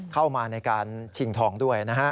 เข้ามาในการชิงทองด้วยนะฮะ